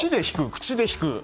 口で弾く？